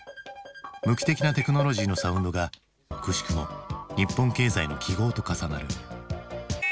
無機的なテクノロジーのサウンドがくしくも日本経済の記号と重なる。